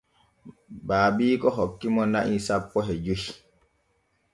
Baabiiko hoki mo na'i sanpo e joy.